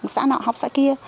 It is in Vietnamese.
xã nọ xã kia